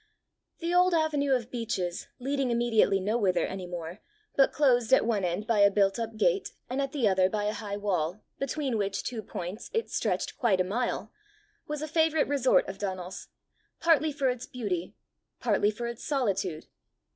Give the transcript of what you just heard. The old avenue of beeches, leading immediately nowhither any more, but closed at one end by a built up gate, and at the other by a high wall, between which two points it stretched quite a mile, was a favourite resort of Donal's, partly for its beauty, partly for its solitude.